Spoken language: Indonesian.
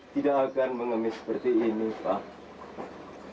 tidak akan mengemis seperti ini pak